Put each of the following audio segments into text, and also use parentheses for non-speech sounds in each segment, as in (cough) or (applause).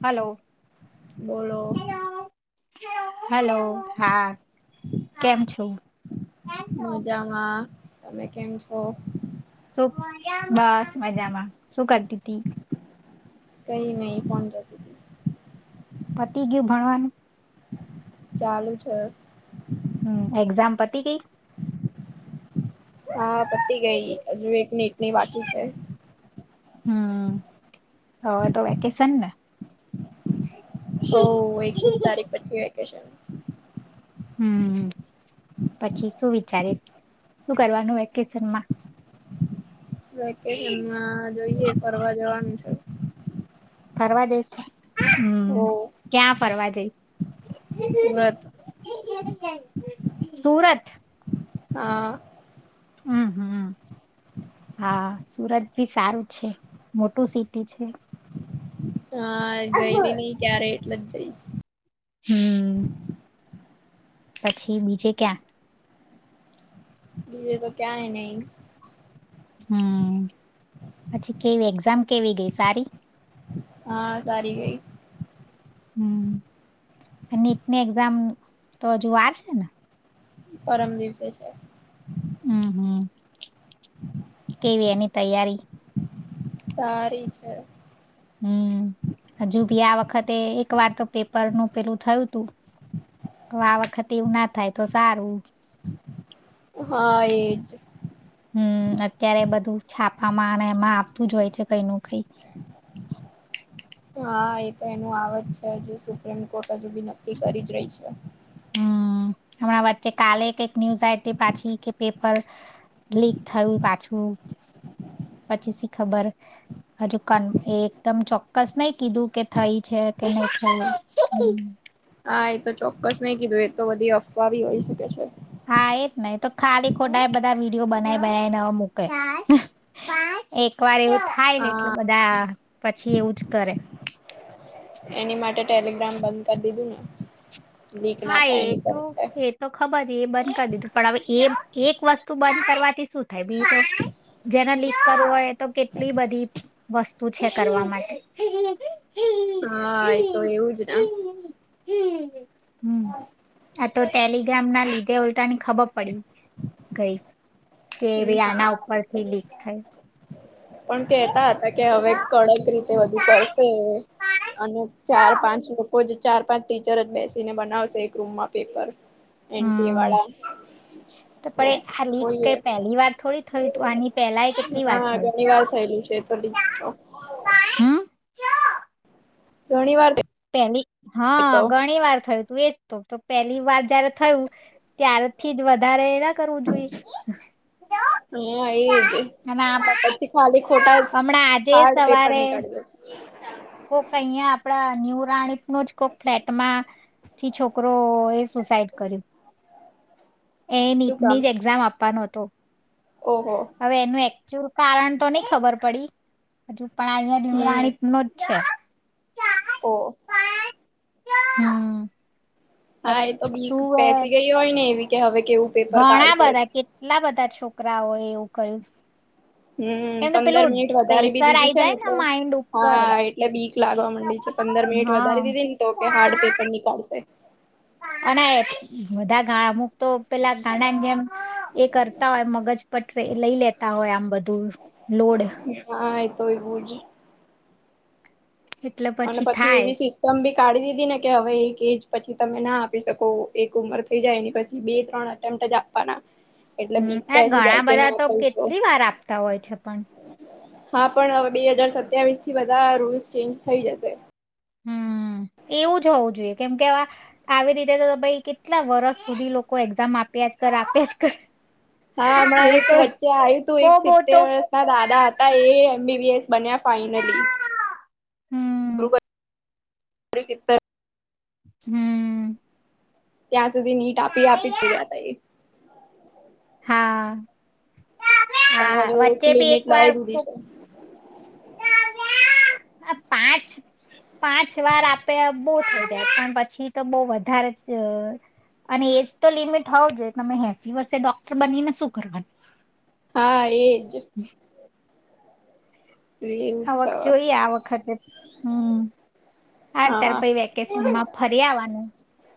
Hello. બોલો. Hello હા કેમ છો. મજામાં, તમે કેમ છો? બસ મજામાં શું કરતી હતી. કઈ નહી ફોન જોઈ હતી. પતિ ગયું ભણવા ચાલુ છે. હમ એક્ઝામ પતિ ગઈ. હા પતી ગઈ હજુ એક મિનિટની બાકી છે. હમ હવે તો વેકેશન ને. હ એકવીસ તારીખ પછી. કે છે. હમ. પછી શું વિ. શું કરવાનું વેકેશનમાં. વેકેશનમાં જોઈએ ફરવા જવાનું છે. પવા દે છે. હમ હો ક્યાં ફરવા જઈ. સુરત. સુરત. હા. હમ હમ હા સુરત ભી સારું છે મોટું સિટી છે. હ. હા ગયેલી નહી ક્યારે એટલે જ જઈશ હમ. પછી બીજે ક્યાં. બીજે તો ક્યાં નહી. હમ પછી કેવી એક્ઝામ કેવી ગઈ સારી. હા સારી ગઈ. હમ નીટની એક્ઝામ તો હજુ વાર છે ને. પરમ દિવસે છે. હમ હમ. કેવી એની તૈયારી. સારી છે.. હમ હજુ ભી આ વખતે એક વાર તો પેપર નું પેલું થયું તું તો આ વખતે એવું ના થાય તો સારું હ એ જ. હમ અત્યારે બધું છાપામાં અને એમાં આવતું જ હોય છે કઈ ન કઈ. હા એ તો એનું આવજ છે હજુ સુપ્રીમ કોર્ટ હજુ બી નક્કી કરી જ રહી છે. હમ હમણાં વચ્ચે કાલે કઈક ન્યુઝ આ હતી પાછી કે પેપર લીક થયું પાછું પછી ખબર હજુ એ એકદમ ચોક્કસ નઈ કીધું કે થઈ છે કે નહી થ હા એ તો ચોક્કસ નહી કીધું એ તો બધી અફવા બી હોઈ શકે છે. હા એજ ને તો ખાલી ખોટા એ બધા વિડીયો બનાવી બનાવી ન મૂકે એક વાર એવું થાઈ એટલે હા બધા. પછી એવું જ કરે એની માટે ટેલિગ્રામ બંધ કરી દીધું ને લીક ના હા એ થાય એની પર તો એટલે. એ તો ખબર એ બંધ કરી દીધું પણ હવે એ એક વસ્તુ બંધ કરવાથી શું થાય બી જેને લિસ્ટ કરવું હોય તો કેટલી બધી વસ્તુ છે કરવા માટે હા એતો એવુંજ ને હમ. હમ આ તો ટેલિગ્રામના લીધે હોય ખબર પડી ગઈ. કે હમ ભી હા આના ઉપરથી લીક થાય. પણ કેતા હતા કે હવે કડક રીતે તે બધું કરશે અને ચાર પાંચ લોકો જ ચાર પાંચ ટીચર જ બેસીને બનાવશે એક રૂમમાં પેપર એનટીએ હમ વાળા હ હોય એ પેલી વાર થોડી થયું તું આની પેલા કેટલી વાર હા થયું ઘણી વાર થયેલું છે તો હમ ઘણી વાર પેલી હા તો ઘણી વાર થયું. એજ તો પહેલી વાર જયારે થયું ત્યારેથી જ વધારે એ કરવુ જોઈએ હા એજ અને પછી ખાલી ખોટા જ હમણાં આજે હાર્ડ પેપર સવારે નીકળી જશે તો કહીયા આપડા ન્યુ વરાણી નું જ કોક ફ્લેટમાં થી છોકરો એ સુસાઈડ કર્યું. એ શું કામ નીટની જ એક્ઝામ આપવાનો હતો. ઓહો તો હવે એનું એક હજુ કારણ તો નહી ખબર પડી હજુ પણ અહિયાં હમ રાણીત નો જ છે. ઓ હમ એક હા એ તો બીક શું પેસી ગઈ હોય ને એવી કે હવે કેવું પેપર ઘણા કાઢશે બધા કેટલા બધા છોકરાઓ એવું કર્યું. હમ કેમ કે પંદર પેલું મિનિટ વધારે બી પ્રેશર દીધી આઈ છે જાય ને એટલે માઈન્ડ ઉપર હા એટલે બીક લાગવા માંડી છે પંદર મિનિટ હા વધારે દીધી ને તો કે હાર્ડ પેપર નીકાળશે અને બધા અમુક તો પેલા ગાના જેમ એ કરતા હોય મગજ પટ લઈ લેતા હોય આમ બધું લોડ હા એ તો એવું જ એટલે અને પછી થાય એવી સિસ્ટમ બી કાઢી દીધી ને કે હવે એક એજ પછી તમે ના આપી શકો એક ઉમર થઈ જાય એની પછી બે ત્રણ એટેમપ જ આપવાના એટલે હમ બીક એ પેસી ઘણા જાય કે બધા ના તો થયું કેટલી વાર આપતા હોય છે પણ હા પણ હવે બે હજાર સત્યાવીસથી બધા રૂલ્સ ચેન્જ થઈ જશે. હમ એવું જ હોવું જોઈએ કેમ કે આવી રીતે તો ભાઈ કેટલા વર્ષ સુધી લોકો એક્ઝામ આપ્યા જ કર આપ્યા જ કર. હા હમણાં એવું એક તો વચ્ચે આવ્યું તું બો એક બો સિત્તેર તો વર્ષ ના દાદા હતા એ એમબીબીએસ. બન્યા ફાઇનલી. હમ. સ (inaudible) હમ. ત્યાં સુધી નીટ આપી આપી ચડ્યા ત એ. હા. પણ હા હવે એક વચ્ચે બી લિમિટ વાર લાવી દીધી છે. હ પાંચ પાંચ વાર આપે બહ થઈ જાય પણ પછી તો બહ વધારે જ અને એજ તો લિમિટ હોવ જોઈએ તમે હેફી વર્સે ડોક્ટર બનીને શું કરવાનું. હા એજ. એવું જ આવક છે જોઈએ આ વખતે હમ આ તાર પ હા વેકેશન માં ફરી આવવાનું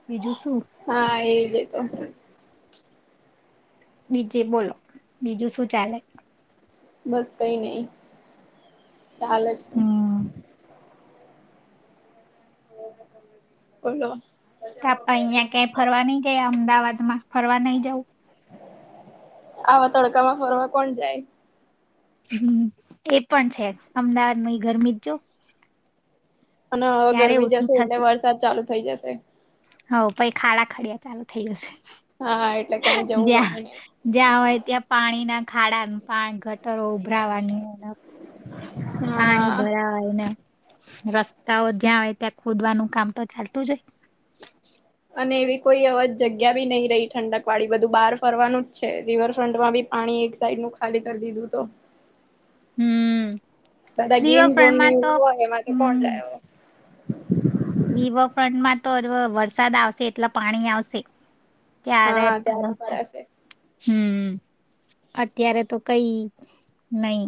બીજું શું. હા એજ તો બનીચે બોલો બીજું શું ચાલે. બસ કઈ નહી. ચાલે જ. હમ કોલો. કાપા અહિયાં ક્યાય ફરવા નઈ ગયા અમદાવાદ માં. ફરવા નહી જઉ આવા તડકામાં ફરવા કોણ જાય. હમ એ પણ છે અમદાવાદ ન ગરમી જજું. અને હવે ગરમી જશે એટલે થશે વરસાદ ચાલુ. થઈ જશે. હ પછ ખાડા ખડિયા ચાલુ થઈ જશે. હા એટલે ક્યાંય જવું જ્યાં ગમે નહી જ્યાં હોય ત્યાં પાણી ના ખાડાનું પા ગટરો ઉભરાવાની. પાણી હા ભરાયને. રસ્તાઓ જ્યાં આવેય ત્યાં ખોદવાનું કામ તો ચાલતું જ હોય. અને એવી કોઈ અજ જગ્યા બી નહી રહી ઠંડક વાળી બધું બહાર ફરવાનું જ છે રિવરફ્રન્ટ માં બી પાણી એક સાઈડ નું ખાલી કરી દીધું તો હમ. બધા ગેમ ઝોન ની રીવરફ્રન્ટમાં તો એવું હોય એમાંથી કોણ જાય (inaudible) રિવરફ્રન્ટમાં તો વરસાદ આવશે એટલા પાણી આવશે. ત્યારે હા જ પ ત્યાં તો ભરાશે હમ અત્યારે તો કઈ નઈ.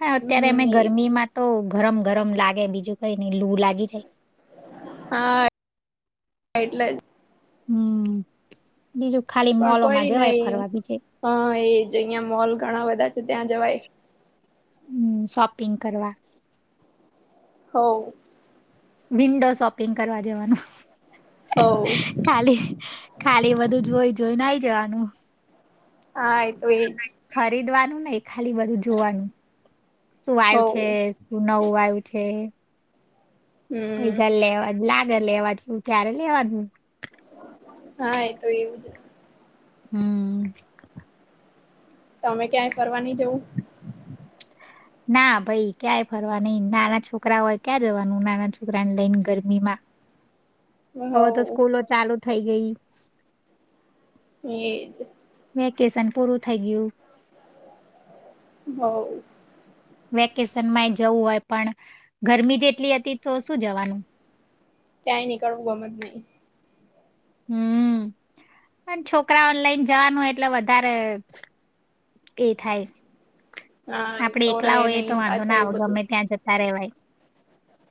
હા અત્યારે હમ અમે એજ ગરમીમાં તો ગરમ ગરમ લાગે બીજું કઈ નઈ લુ લાગી જાય. હા એટલે જ હમ બીજું ખાલી પણ મોલોમાં કોઈ જવાય નહી ફરવા બીજે હ એ જ અંયા મોલ ઘણા બધા ત્યાં જવાય હમ શોપિંગ કરવા હોવ વિન્ડો શોપિંગ કરવા જવાનું હો ખાલી ખાલી બધું જોય જોય ત્યાનુ હા એતો એજ ખરીદવાનું નહિ ખાલી બધું જોવાનું શું હો આવ્યું છે શું નવું આવ્યું છે. હમ પહીઝા લેવા જ લાખ લેવાનુ ત્યારે લેવાનુ હા એ તો એવું જ હમ તમે ક્યાંય ફરવાની જવું ના ભાઈ ક્યાંય ફરવા નઈ નાના છોકરા હોય ક્યાં જવાનું નાના છોકરાને લઈને ગરમીમાં હવ હવે તો સ્કૂલો ચાલુ થઈ ગઈ એજ વકેશન પૂરું થઈ ગયું. હવ વેકેશનમાં એ જવું હોય પણ ગરમી જેટલી હતી તો શું જવાનું ક્યાંય નીકળવું ગમે જ નહી હમ પણ છોકરા ઓનલાઈન જવાનું એટલે વધારે એ થાય હા એ આપડે તો રે એકલા હોયએ નહી તો વાંધો પાછા ના આવ એવું બધું ગમે ત્યાં જતા રેવાય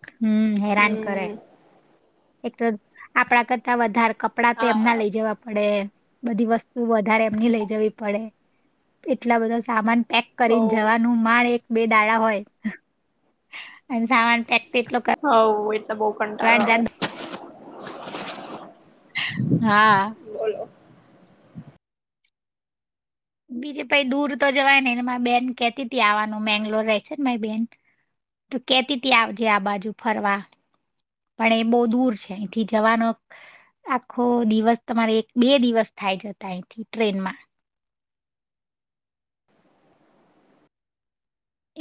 (unintelligible) હમ હેરાન કરે હમ એક આપણા કરતા વધારે કપડા તો હા એમના લઈ જવા પડે બધી વસ્તુ વધારે એમની લઈ જવી પડે એટલા બધા સામાન પેક હો કરીને નુ માળ એક બે દાડા હોય અને સામાન તો એટલો હોવ એ બહુ કંટાળો કરવાનો આવે. જાણ. (unintelligible) હા. બોલો બીજે પ દૂર તો જવાય ને મા બેન કતીથી આવવાનું મેંગ્લોર રહે છે ને મારી બેન તો, કેતીથી આવજે આ બાજુ ફરવા પણ એ બહ દૂર છે અહીથી જવાનો આખો દિવસ તમારે એક બે દિવસ થાય જતા અહીથી ટ્રેનમાં.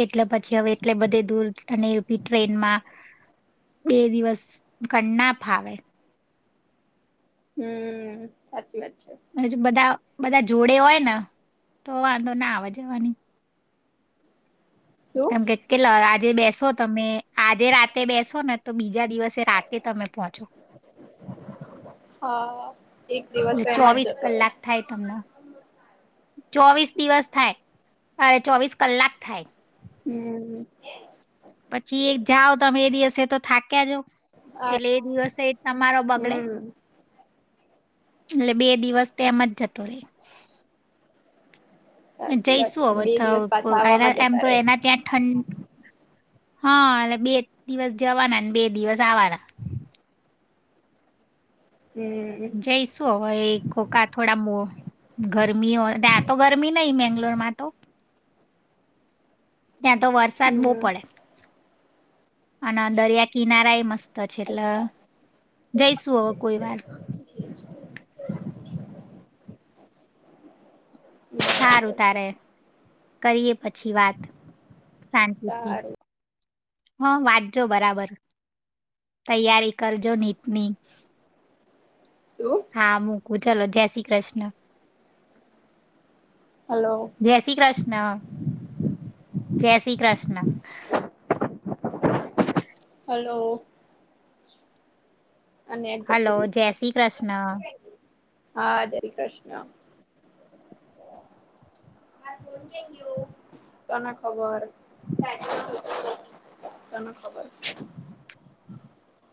એટલે પછી હવે એટલે બધે દૂર અને ટ્રેનમાં બે દિવસ ક ના ફાવે. હમ્મ સાચી વાત છે. હજ બધા બધા જોડે હોય ને તો વાંધો ના આવે જવાની. શું એમ કે કેલા આજે બેસ શો તમે આજે રાતે બેસો ને તો બીજા દિવસે રાતે તમે પહોંચો. હા. એક દિવસ એટલે તો એમાં જ ચોવીસ જતો રે કલાક થાય તમને. ચોવીસ દિવસ થાય અરે ચોવીસ કલાક થાય. હમ્મ. પછી એક જાઓ તમે એ દિવસે તો થાક્યા જો આ એટલે એ દિવસે તમારો બગડે હમ એટલે બે દિવસ. તેમ જ જતો રે. સાચી વાત છે જઈશું બે દિવસ હવે પાછા એના આવવામાં એમ જતા તો રે એના ત્યાં ઠં હા એટલે બે દિવસ જવાના બે દિવસ આવવાના. હમ જઈશું હવે કોકા થોડા મો. ગરમીઓ ત્યાં તો ગરમી નહી મેંગ્લોર માં તો. ત્યાં તો વરસાદ બહુ હમ પડે. અને દરિયા કિનારા એ મસ્ ત છે એટલે અચ્છા જઈશું હવે કોઈ વાર. સારું બરાબર તારે. કરીએ પછી છી વાત શાંતિથી. સારું હા વાંચજો બરાબર તૈયારી કરજો નીટની શું હા મુું ચાલો જય શ્રી કૃષ્ણ. હલો જય શ્રી કૃષ્ણ. જય શ્રી કૃષ્ણ. હલો. આ નેટ જતું હલો રહ્યું જય શ્રી કૃષ્ણ. હા જય શ્રી કૃષ્ણ. તને ખબર, તનેખબર